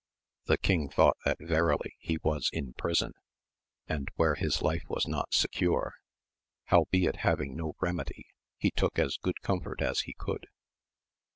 The king thought that verily he was in prison, and where his life was not secure ; howbeit having no remedy, he took as good comfort as he could.